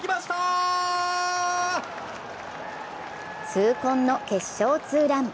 痛恨の決勝ツーラン。